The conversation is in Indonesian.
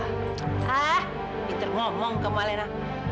ah ditergomong kamu alena